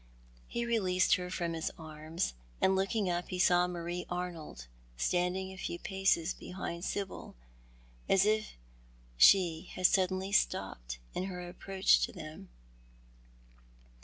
Ho released her from his arms, and looking up saw Marie Arnold standing a few paces behind Sibyl, as if she had suddenly stopped in her approach to them.